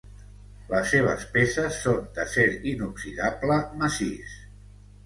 Les seves peces són d'acer inoxidable massís.